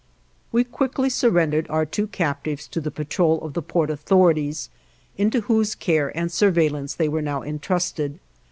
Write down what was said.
We quickly surrendered our two captive's to the patrol of the port authorities, into whose care and surveillance they were now entrusted.